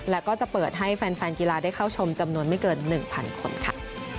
แล้วก็จะเปิดให้แฟนกีฬาได้เข้าชมจำนวนไม่เกิน๑๐๐คนค่ะ